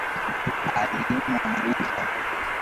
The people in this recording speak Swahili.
Aliumwa na nyoka